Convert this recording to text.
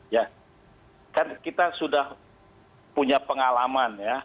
ya kan kita sudah punya pengalaman ya